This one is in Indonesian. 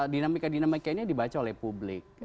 dinamika dinamikanya dibaca oleh publik